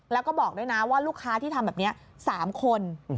แล้วก็บอกด้วยนะว่าลูกค้าที่ทำแบบนี้๓คน